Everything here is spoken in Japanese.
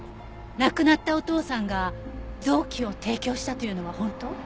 亡くなったお父さんが臓器を提供したというのは本当？